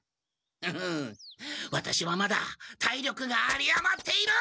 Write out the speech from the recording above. フフッワタシはまだ体力が有りあまっている！